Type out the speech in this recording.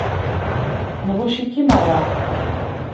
Nɣucc-ik i meṛṛa.